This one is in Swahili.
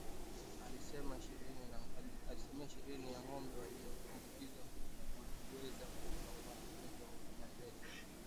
Asilimia ishirini ya ngombe walioambukizwa huweza kufa kwa ugonjwa wa mapele ya ngozi